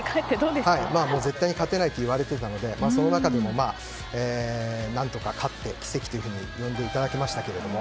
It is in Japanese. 絶対に勝てないといわれていたのでその中でも何とか勝って奇跡というふうに呼んでいただけましたけど。